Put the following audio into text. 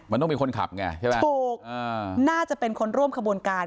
มันต้องเป็นคนขับไงใช่ไหมถูกน่าจะเป็นคนร่วมขบวนการ